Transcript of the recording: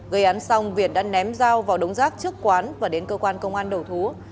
gây án xong việt đã ném dao vào đống rác trước quán và đến cơ quan công an đầu thú